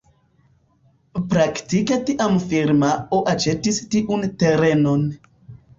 Praktike tiam firmao aĉetis tiun terenon.